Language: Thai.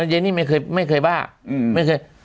เยนี่ไม่เคยไม่เคยบ้าไม่เคย